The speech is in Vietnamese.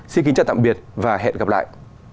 xin kính chào tạm biệt và hẹn gặp lại